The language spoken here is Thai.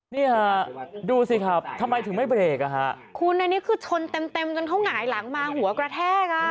นี่ฮะดูสิครับทำไมถึงไม่เบรกอ่ะฮะคุณอันนี้คือชนเต็มเต็มจนเขาหงายหลังมาหัวกระแทกอ่ะ